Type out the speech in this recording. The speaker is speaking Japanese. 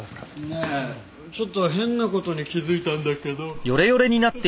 ねえちょっと変な事に気づいたんだけど。